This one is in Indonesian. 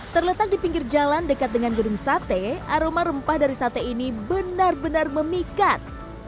terletak di pinggir jalan dekat dengan gedung sate aroma rempah dari sate ini benar benar memikat